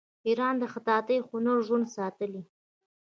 ایران د خطاطۍ هنر ژوندی ساتلی.